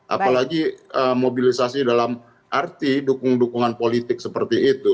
apalagi mobilisasi dalam arti dukung dukungan politik seperti itu